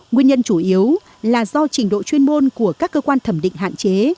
nguyên nhân chủ yếu là do trình độ chuyên môn của các cơ quan thẩm định hạn chế